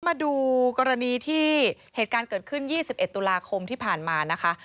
มาดูกรณีที่เหตุการณ์เกิดขึ้น๒๑ตุลาคมที่ผ่านมานะคะ